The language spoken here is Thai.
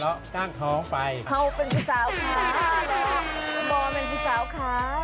แล้วก็กลางท้องไปเขาเป็นผู้เศร้าค้าแล้วบอลเป็นผู้เศร้าค้า